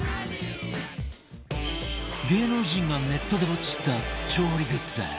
芸能人がネットでポチった調理グッズ。